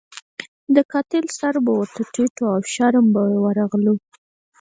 د قاتل سر به ورته ټیټ وو او شرم به یې ورغلو.